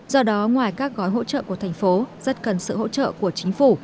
do đó ngoài các gói hỗ trợ của thành phố rất cần sự hỗ trợ của chính phủ